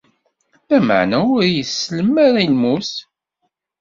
Lameɛna ur iyi-isellem ara i lmut.